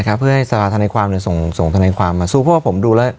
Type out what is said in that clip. นะครับเพื่อให้สภาธนาความหนึ่งส่งส่งสภาธนาความมาสูงเพราะว่าผมดูแล้ว